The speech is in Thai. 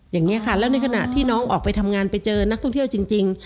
อย่างนี้ค่ะแล้วในขณะที่น้องออกไปทำงานไปเจอนักท่องเที่ยวจริง